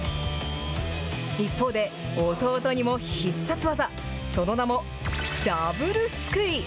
一方で、弟にも必殺技、その名も、ダブルすくい。